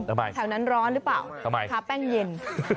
แถวนั้นร้อนหรือเปล่าทำไมทาแป้งเย็น